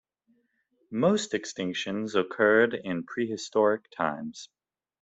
Most extinctions occurred in prehistoric times.